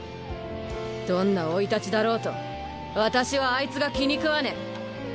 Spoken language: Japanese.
どんな生い立ちだろうと私はあいつが気にくわねぇ。